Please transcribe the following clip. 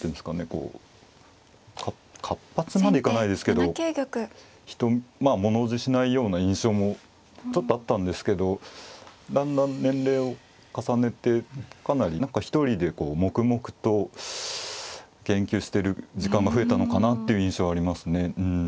こう活発まで行かないですけどまあ物おじしないような印象もちょっとあったんですけどだんだん年齢を重ねてかなり何か一人で黙々と研究してる時間が増えたのかなっていう印象ありますね。